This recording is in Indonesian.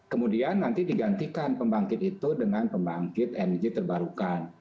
kemudian nanti digantikan pembangkit itu dengan pembangkit energi terbarukan